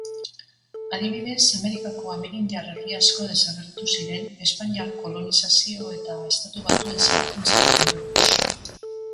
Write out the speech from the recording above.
Adibidez, Amerikako amerindiar herri asko desagertu ziren espainiar kolonizazio eta Estatu Batuen zabalkuntzaren ondorioz.